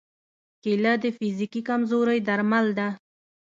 کېله د فزیکي کمزورۍ درمل ده.